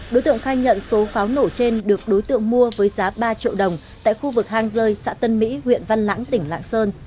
đối tượng khai nhận số pháo nổ trên được đối tượng mua với giá ba triệu đồng tại khu vực hang rơi xã tân mỹ huyện văn lãng tỉnh lạng sơn